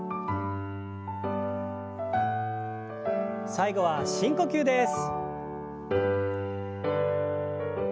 最後は深呼吸です。